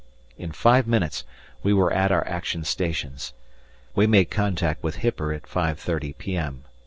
In five minutes we were at our action stations. We made contact with Hipper at 5.30 p.m.